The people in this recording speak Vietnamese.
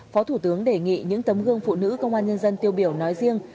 phó thủ tướng đề nghị những tấm gương phụ nữ công an nhân dân tiêu biểu nói riêng